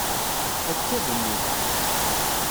Akka d nnif.